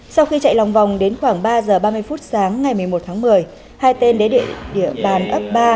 sau khi chạy lòng vòng đến khoảng ba giờ ba mươi phút sáng ngày một mươi một tháng một mươi hai tên đến địa bàn ấp ba